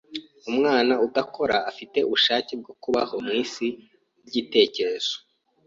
Umwana udakora afite ubushake bwo kubaho mwisi yigitekerezo.